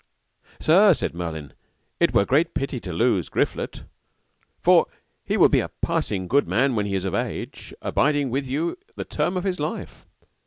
Sir, said Merlin, it were great pity to lose Griflet, for he will be a passing good man when he is of age, abiding with you the term of his life.